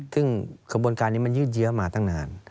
ซึ่งขบวนการนี้มันยืดเยอะมาตั้งนาน